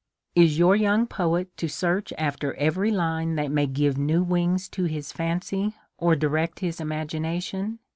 Is your young poet to search after every line that may give new wings to his fancy, or direct his imagin ation?